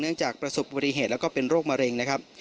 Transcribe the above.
เนื่องจากประสบบริเหตุและเป็นโรคมะเร็ง